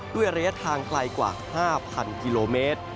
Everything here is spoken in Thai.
ด้วยระยะทางไกลกว่า๕๐๐กิโลเมตร